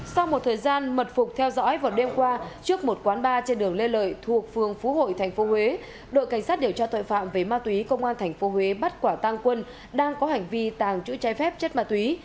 sau một thời gian mật phục theo dõi vào đêm qua trước một quán bar trên đường lê lợi thuộc phường phú hội tp huế đội cảnh sát điều tra tội phạm về ma túy công an tp huế bắt quả tăng quân đang có hành vi tàng trữ trái phép chất ma túy